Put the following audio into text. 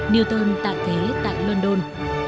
newton tạ thế tại london